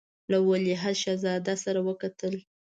له ولیعهد شهزاده سره وکتل.